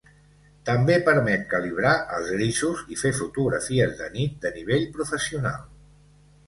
També permet calibrar els grisos i fer fotografies de nit de nivell professional.